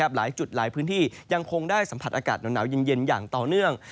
หลายจุดหลายพื้นที่ยังคงได้สัมผัสอากาศหนาวเย็นอย่างต่อเนื่อง